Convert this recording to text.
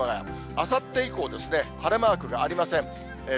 あさって以降ですね、晴れマークがありません。